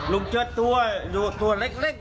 ลูกเจอตัวเล็ก